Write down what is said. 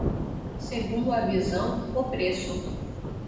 Segundo a visão, o preço.